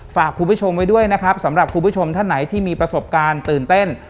ฝากคุณผู้ชมไว้ด้วยนะครับสำหรับคุณผู้ชมท่านไหนที่มีประสบการณ์ตื่นเต้น